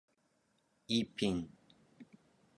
イーピン